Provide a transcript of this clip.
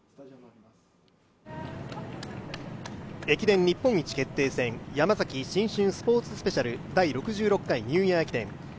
駅伝日本一決定戦、ヤマザキ新春スポーツスペシャル第６６回ニューイヤー駅伝。